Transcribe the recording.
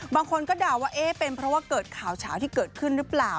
บางคนก็เดาว่าเอ๊ะเป็นเพราะว่าเกิดข่าวเฉาที่เกิดขึ้นหรือเปล่า